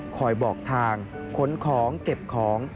คอยบอกทางค้นของเก็บของ